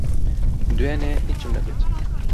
دوێنێ، ھیچم نەگوت.